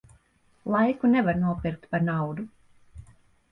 Laiku nevar nopirkt pa naudu.